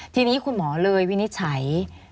ทีนี้คุณหมอเลยวินิจฉัย